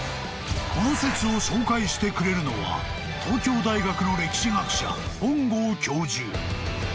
［この説を紹介してくれるのは東京大学の歴史学者］